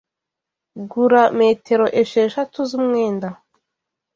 Gura metero esheshatu zumwenda.